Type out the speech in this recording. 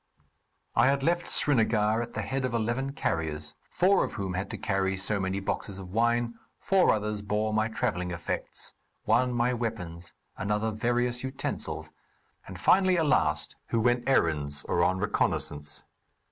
I had left Srinagar at the head of eleven carriers, four of whom had to carry so many boxes of wine, four others bore my travelling effects; one my weapons, another various utensils, and finally a last, who went errands or on reconnaissance.